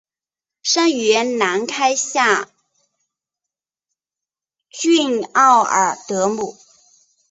生于兰开夏郡奥尔德姆。